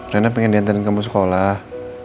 reina pingin diantarin ke kampus sekolah